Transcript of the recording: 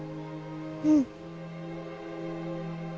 うん。